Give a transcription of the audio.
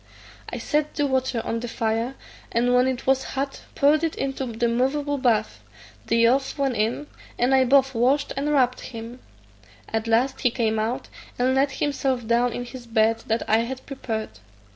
I set the water on the fire, and when it was hot poured it into the moveable bath; the youth went in, and I both washed and rubbed him. At last he came out, and laid himself down in his bed that I had prepared.